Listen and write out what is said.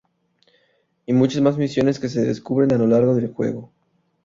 Y muchas más misiones que se descubren a lo largo del juego.